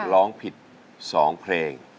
ร้องผิดสองเพลง